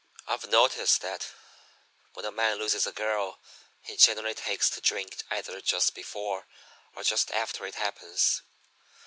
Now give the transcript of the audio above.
I've noticed that when a man loses a girl he generally takes to drink either just before or just after it happens.